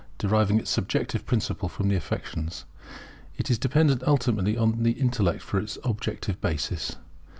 Deriving its subjective principle from the affections, it is dependent ultimately on the intellect for its objective basis.